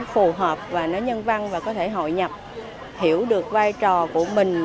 phù hợp và nó nhân văn và có thể hội nhập hiểu được vai trò của mình